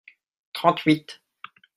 trente huit.